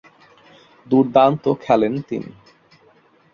দূর্দান্ত খেলেন তিনি।